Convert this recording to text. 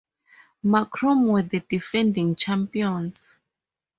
Macroom were the defending champions.